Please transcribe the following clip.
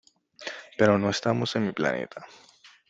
Pero no estamos en mi planeta.